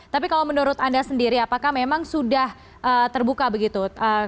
tapi kalau menurut anda sendiri apakah memang sudah terbuka begitu